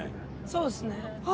そうですね。